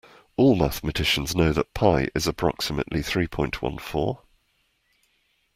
All mathematicians know that Pi is approximately three point one four